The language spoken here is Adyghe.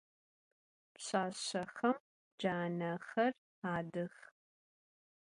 Pşsaşsexem canexer adıx.